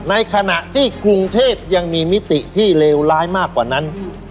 ในขณะที่กรุงเทพยังมีมิติที่เลวร้ายมากกว่านั้น